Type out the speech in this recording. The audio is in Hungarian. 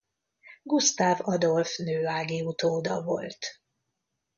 Gusztáv Adolf nőági utóda volt.